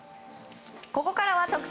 ここからは特選！